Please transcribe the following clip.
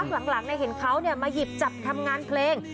หลังเห็นเขามาหยิบจับทำงานเพลง